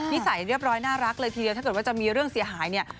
นิสัยเรียบร้อยน่ารักเลยทีเดียวถ้าเกิดว่าจะมีเรื่องเสียหายเนี่ย